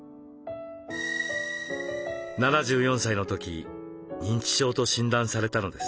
７４歳の時認知症と診断されたのです。